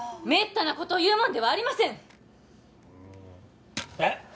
めったなこと言うもんではありませんあっ